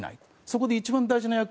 そこで一番大事な役